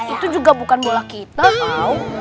itu juga bukan bola kita kau